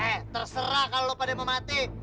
eh terserah kalau lo pada memati